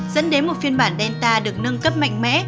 dẫn đến một phiên bản delta được nâng cấp mạnh mẽ